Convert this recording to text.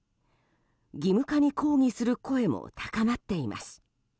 義務化に抗議する声も高まっています。